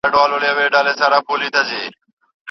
د قرآن کريم ورښوول ئې د هغې مهر او ولور مقرر کړ.